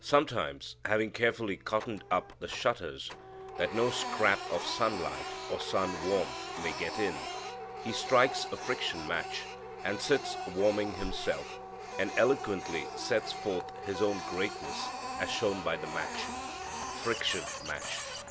Sometimes having carefully cottoned up the shutters that no scrap of sun light or sun warmth may get in, he strikes a friction match, and sits warming himself, and eloquently sets forth his own greatness as shown by the match, friction match.